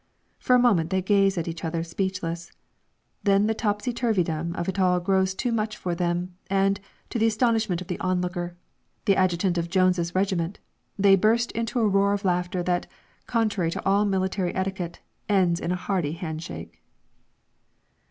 For a moment they gaze at each other speechless. Then the topsy turvydom of it all grows too much for them, and, to the astonishment of the onlooker, the adjutant of Jones's regiment, they burst into a roar of laughter that, contrary to all military etiquette, ends in a hearty handshake.